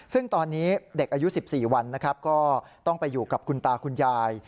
ซึ่งตอนนี้เด็กอายุ๑๔วันนะครับก็ต้องไปอยู่กับคุณตาคุณยาย